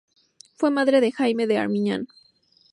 Fue madre de Jaime de Armiñán.